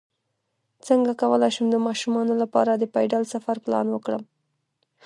څنګه کولی شم د ماشومانو لپاره د پیدل سفر پلان کړم